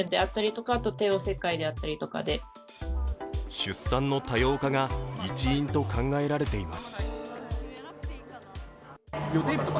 出産の多様化が一因と考えられています。